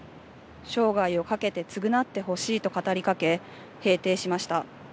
生涯をかけて償ってほしいと語りかけ、閉廷しました。